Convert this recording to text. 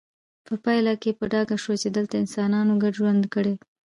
په پایله کې په ډاګه شوه چې دلته انسانانو ګډ ژوند کړی